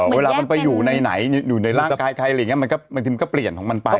เวลามันไปอยู่ในไหนอยู่ในร่างกายใครอะไรอย่างนี้บางทีมันก็เปลี่ยนของมันไป